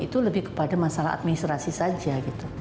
itu lebih kepada masalah administrasi saja gitu